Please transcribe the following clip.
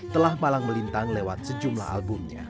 telah malang melintang lewat sejumlah albumnya